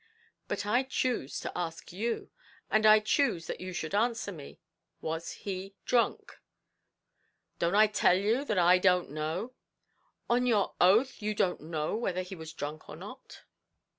"But I choose to ask you, and I choose that you should answer me; was he drunk?" "Don't I tell you that I don't know?" "On your oath you don't know whether he was drunk or not?"